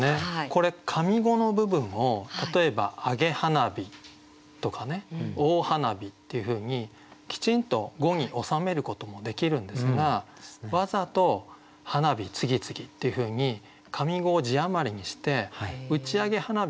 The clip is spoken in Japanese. これ上五の部分を例えば「上げ花火」とかね「大花火」っていうふうにきちんと五に収めることもできるんですがわざと「花火つぎつぎ」っていうふうに上五を字余りにして打ち上げ花火がどんどん上がっている。